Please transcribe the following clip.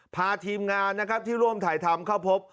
พาทีมงานที่ร่วมถ่ายทำเข้าพบ